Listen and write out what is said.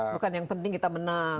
bukan yang penting kita menang